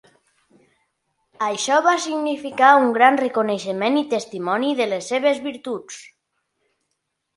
Això va significar un gran reconeixement i testimoni de les seves virtuts.